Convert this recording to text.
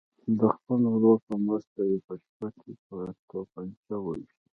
د خپل ورور په مرسته یې په شپه کې په توپنچه ویشت.